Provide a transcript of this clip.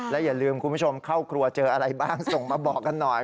และอย่าลืมคุณผู้ชมเข้าครัวเจออะไรบ้างส่งมาบอกกันหน่อย